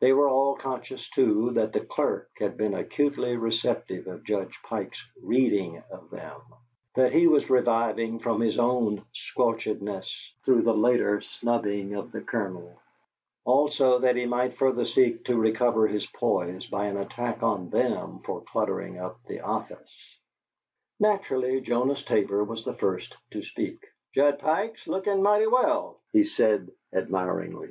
They were all conscious, too, that the clerk had been acutely receptive of Judge Pike's reading of them; that he was reviving from his own squelchedness through the later snubbing of the colonel; also that he might further seek to recover his poise by an attack on them for cluttering up the office. Naturally, Jonas Tabor was the first to speak. "Judge Pike's lookin' mighty well," he said, admiringly.